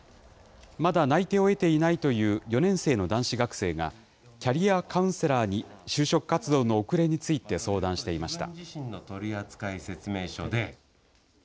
まだ内定を得ていないという４年生の男子学生が、キャリアカウンセラーに就職活動の遅れについて相談していました。